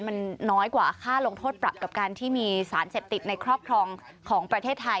มันน้อยกว่าค่าลงโทษปรับกับการที่มีสารเสพติดในครอบครองของประเทศไทย